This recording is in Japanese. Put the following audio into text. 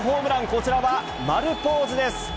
こちらは丸ポーズです。